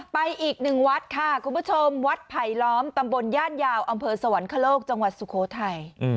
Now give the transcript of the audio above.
ไปอีกหนึ่งวัดค่ะคุณผู้ชมวัดไผลล้อมตำบลย่านยาวอำเภอสวรรคโลกจังหวัดสุโขทัย